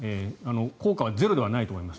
効果はゼロではないと思います。